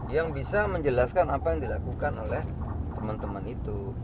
yang bisa menjelaskan apa yang dilakukan oleh teman teman itu